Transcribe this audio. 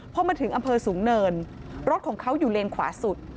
พอมาถึงอำเภอสูงเนินรถของเขาอยู่เลนขวาสุด